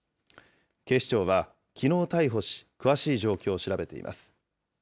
警視庁はきのう逮捕し、詳しい状況を調べています。